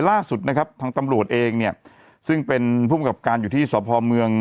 ล่าสุดนะครับทางตำรวจเองเนี่ยซึ่งเป็นภูมิกับการอยู่ที่สพเมือง